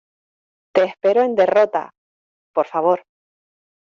te espero en derrota. por favor .